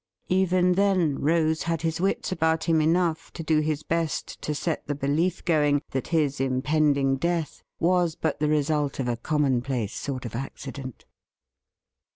Even then Rose had his wits about him enough to do his best to set the belief going that his impending death was but the result of a commonplace sort of accident.